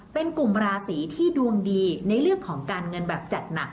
เป็นกลุ่มราศีที่ดวงดีในเรื่องของการเงินแบบจัดหนัก